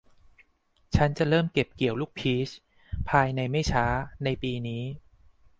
ฉันจะเริ่มเก็บเกี่ยวลูกพีชภายในไม่ช้าในปีนี้